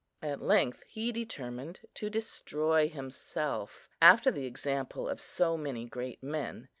At length he determined to destroy himself, after the example of so many great men.